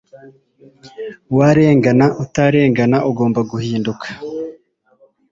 Warengana utarengana ugomba guhinduka